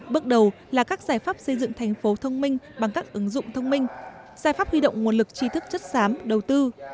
bước đầu là các giải pháp xây dựng thành phố thông minh bằng các ứng dụng thông minh giải pháp huy động nguồn lực tri thức chất xám đầu tư